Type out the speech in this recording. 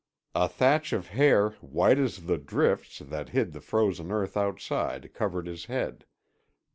A thatch of hair white as the drifts that hid the frozen earth outside covered his head.